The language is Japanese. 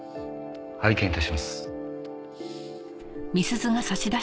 拝見致します。